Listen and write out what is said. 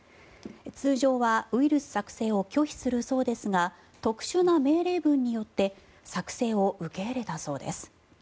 通常はウイルス作成を拒否するそうですが特殊な命令文によって作成を受け入れたそうです。